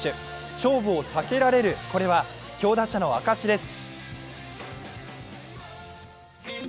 勝負を避けられる、これは強打者の証しです。